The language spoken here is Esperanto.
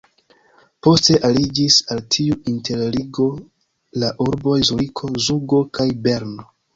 Poste aliĝis al tiu interligo la urboj Zuriko, Zugo kaj Berno.